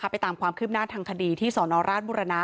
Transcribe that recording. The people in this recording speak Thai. ไปตามความคืบหน้าทางคดีที่สนราชบุรณะ